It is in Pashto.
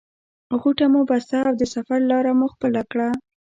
غوټه مو بسته او د سفر لاره مو خپله کړه.